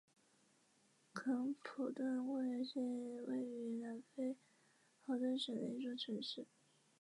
肯普顿公园是位于南非豪登省的一个城市。